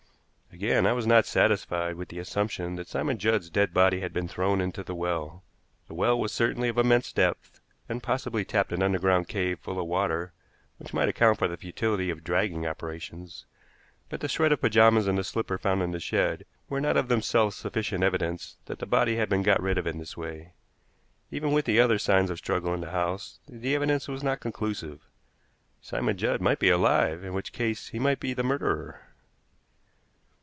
Again, I was not satisfied with the assumption that Simon Judd's dead body had been thrown into the well. The well was certainly of immense depth, and possibly tapped an underground cave full of water, which might account for the futility of dragging operations; but the shred of pajamas and the slipper found in the shed were not of themselves sufficient evidence that the body had been got rid of in this way. Even with the other signs of struggle in the house the evidence was not conclusive. Simon Judd might be alive, in which case he might be the murderer.